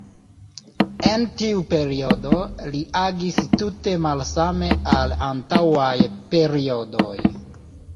En tiu periodo, li agis tute malsame al antaŭaj periodoj.